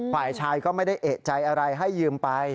ฝ่ายชายก็ไม่ได้เอกใจอะไรให้ยืมไป